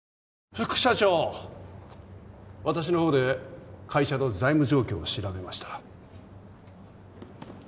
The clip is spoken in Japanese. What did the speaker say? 副社長私の方で会社の財務状況を調べました